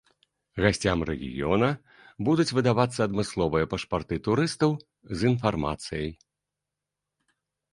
Гасцям рэгіёна будуць выдавацца адмысловыя пашпарты турыстаў з інфармацыяй.